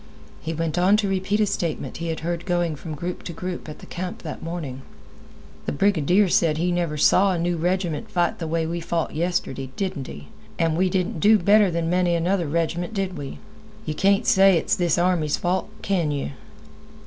He went on to repeat a statement he had heard going from group to group at the camp that morning. "The brigadier said he never saw a new reg'ment fight the way we fought yestirday, didn't he? And we didn't do better than many another reg'ment, did we? Well, then, you can't say it's th' army's fault, can you?"